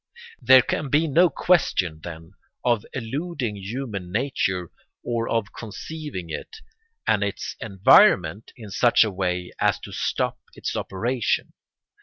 There can be no question, then, of eluding human nature or of conceiving it and its environment in such a way as to stop its operation.